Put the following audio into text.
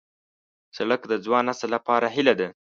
سړک د ځوان نسل لپاره هیله ده.